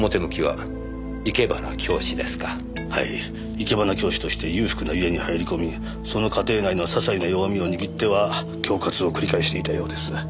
生け花教師として裕福な家に入り込みその家庭内の些細な弱みを握っては恐喝を繰り返していたようです。